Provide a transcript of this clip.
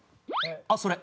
あっそれ。